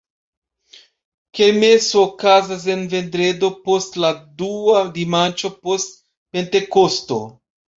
Kermeso okazas en vendredo post la dua dimanĉo post Pentekosto.